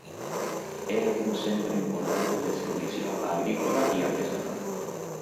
Es un centro importante de servicios, agrícola y artesanal.